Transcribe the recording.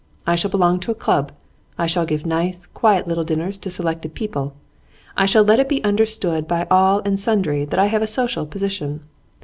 I shall belong to a club; I shall give nice, quiet little dinners to selected people; I shall let it be understood by all and sundry that I have a social position.